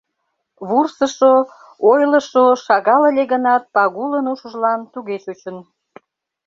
Вурсышо, ойлышо шагал ыле гынат, Пагулын ушыжлан туге чучын.